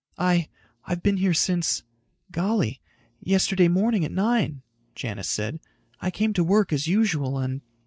"I ... I've been here since ... golly, yesterday morning at nine," Janis said. "I came to work as usual and...."